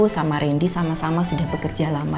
sama randy sama sama sudah bekerja lama